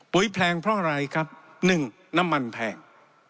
ปุ๋ยแพงเพราะอะไรครับหนึ่งน้ำมันแพง